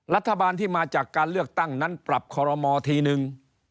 รัฐบาลที่มาจากการเลือกตั้งนั้นปรับคอรมอทีนึง